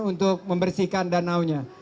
untuk membersihkan danaunya